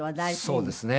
そうですね。